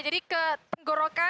jadi kita mau berontek ya